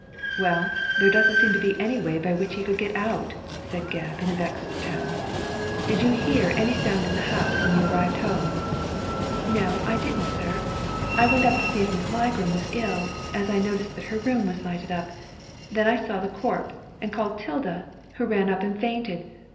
"Well, there doesn't seem any way by which he could get out," said Gebb, in a vexed tone. Did you hear any sound in the house when you arrived home ?"" No, I didn't, sir. I went up to see if Miss Ligram was ill, as I noticed that her room was lighted up, then I saw the corpse, and called 'Tilda, who ran up and fainted.